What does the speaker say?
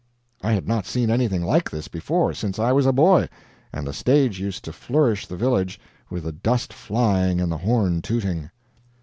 I had not seen anything like this before since I was a boy, and the stage used to flourish the village with the dust flying and the horn tooting.